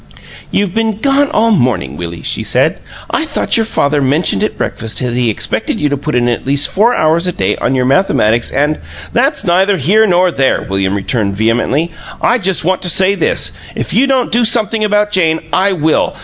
"You've been gone all morning, Willie," she said. "I thought your father mentioned at breakfast that he expected you to put in at least four hours a day on your mathematics and " "That's neither here nor there," William returned, vehemently. "I just want to say this: if you don't do something about Jane, I will!